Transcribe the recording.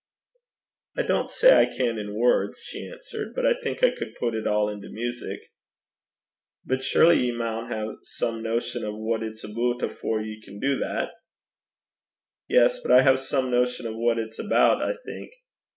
'I don't say I can in words,' she answered; 'but I think I could put it all into music.' 'But surely ye maun hae some notion o' what it's aboot afore you can do that.' 'Yes; but I have some notion of what it's about, I think.